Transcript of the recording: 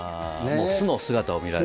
素の姿を見られて。